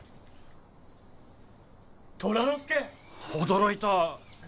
驚いた。